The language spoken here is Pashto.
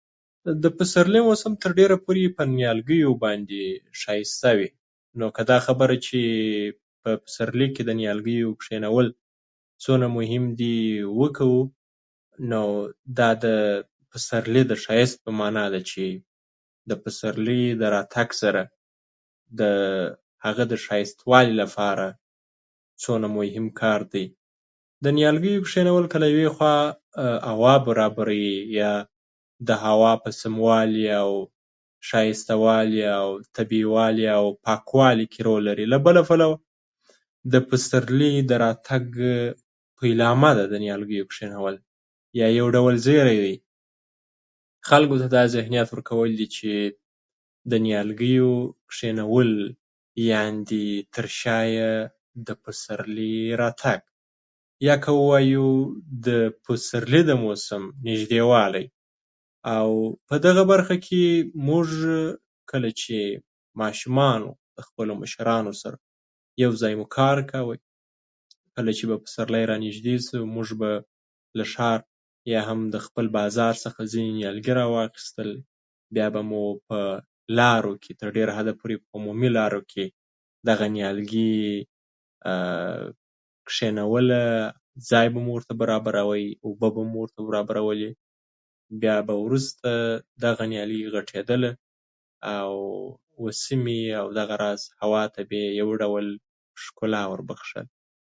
د پسرلي موسم تر ډېره پوره په نیالګیو باندې ښایسته وي. لکه دا خبره چې په پسرلي کې د نیالګیو کېنول څومره مهم دي، وکړو، نو دا د پسرلي د ښایست په معنی ده چې د پسرلي د راتګ سره د هغه ښایستوالي لپاره څومره مهم کار دی د نیالګیو کېنول. که له یوې خوا هوا برابروي، یا د هوا په سموالي او ښایستوالي او طبیعي والي او پاکوالي کې رول لري، د بله پلوه د پسرلي د راتګ پیلامه ده، د نیالګیو کېنول یا یو ډول زیری دی خلکو ته. دا ذهنیت ورکول دي چې د نیالګیو کېنول، یعنې تر شا یې د پسرلي راتګ، یا که ووایو د پسرلي له موسم نږدېوالی. او په دغه برخه کې موږ کله چې ماشومان وو، د خپلو مشرانو سره یوځای مو کار کاوه. کله چې به پسرلی رانږدې شو، موږ به له ښار یا هم د خپل بازار څخه ځینې نیالګي راواخیستل، بیا به مو په لارو کې، تر ډېرو حدو پورې په عمومي لارو کې دغه نیالګي کېنول، ځکه چې ځای مو ورته براوه، اوبه به مو ورته برابرولې. بیا به وروسته دغه نیالګي غټېدل او د سیمې او دغه راز هوا ته به یې یو ډول ښکلا وربښله.